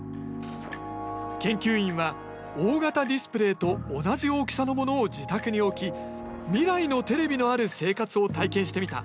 研究員は大型ディスプレーと同じ大きさのものを自宅に置き未来のテレビのある生活を体験してみた。